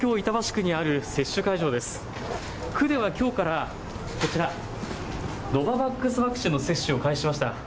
区ではきょうからこちら、ノババックスワクチンの接種を開始しました。